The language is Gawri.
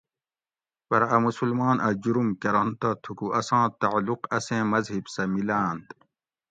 پرہ اۤ مسلمان اۤ جرم کرنت تہ تھُکو اساں تعلق اسیں مذہِب سہۤ مِلاۤنت ؟